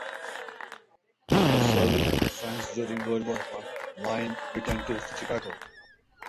After serving in France during World War One, Lynn returned to Chicago.